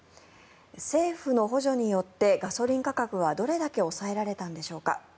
政府の補助によってガソリン価格はどれだけ抑えられたんでしょうか。